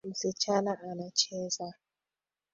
Msichana anacheza.